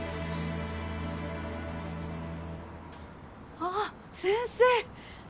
ああ先生。